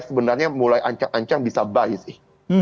sebenarnya mulai ancang ancang bisa buy sih